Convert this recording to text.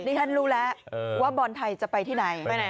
นี่ฉันรู้แล้วว่าบอลไทยจะไปที่ไหน